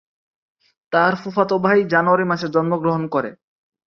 তার ফুফাতো ভাই জানুয়ারি মাসে জন্মগ্রহণ করে।